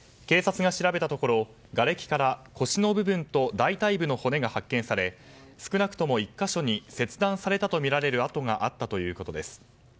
警察が調べたところがれきから腰の部分と大腿部の骨が発見され少なくとも１か所に切断されたとみられる痕があったということです。